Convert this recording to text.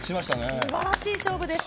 すばらしい勝負でした。